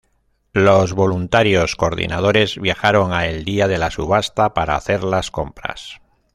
Los Voluntarios coordinadores viajaron a el día de la subasta para hacer las compras.